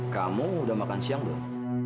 kamu udah makan siang belum